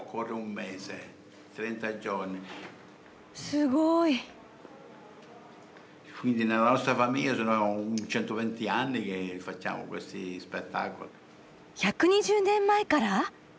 すごい！１２０年前から！？